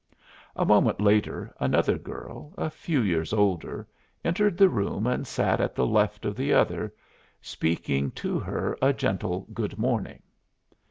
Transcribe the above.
A moment later another girl, a few years older, entered the room and sat at the left of the other, speaking to her a gentle "good morning."